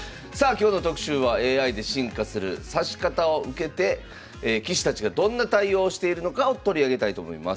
今日の特集はＡＩで進化する指し方を受けて棋士たちがどんな対応をしているのかを取り上げたいと思います。